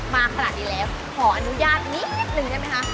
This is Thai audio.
มาขนาดนี้แล้วขออนุญาตนิดนึงได้ไหมคะ